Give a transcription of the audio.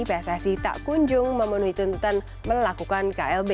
pssi tak kunjung memenuhi tuntutan melakukan klb